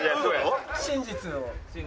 真実を。